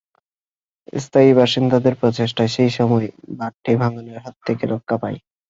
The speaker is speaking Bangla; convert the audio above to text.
স্থানীয় বাসিন্দাদের প্রচেষ্টায় সেই সময় বাঁধটি ভাঙনের হাত থেকে রক্ষা পায়।